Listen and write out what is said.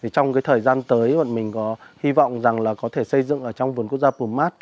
trong thời gian tới mình hy vọng có thể xây dựng trong vườn quốc gia phù mát